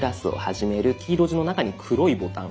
黄色地の中に黒いボタン。